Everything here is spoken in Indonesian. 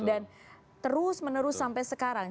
dan terus menerus sampai sekarang